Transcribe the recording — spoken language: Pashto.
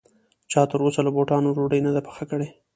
چا تر اوسه له بوټانو ډوډۍ نه ده پخه کړې